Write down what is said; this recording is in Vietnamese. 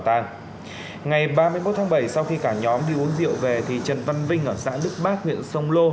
ngày ba mươi một tháng bảy sau khi cả nhóm đi uống rượu về thì trần văn vinh ở xã đức bác huyện sông lô